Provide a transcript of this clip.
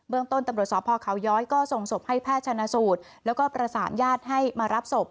ต้นตำรวจสพเขาย้อยก็ส่งศพให้แพทย์ชนะสูตรแล้วก็ประสานญาติให้มารับศพ